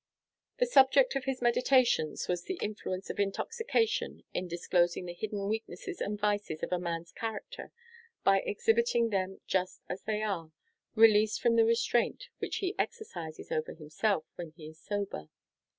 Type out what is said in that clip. The subject of his meditations was the influence of intoxication in disclosing the hidden weaknesses and vices of a man's character by exhibiting them just as they are, released from the restraint which he exercises over himself when he is sober.